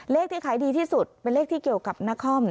เลขที่ขายดีที่สุดเป็นเลขที่เกี่ยวกับนคร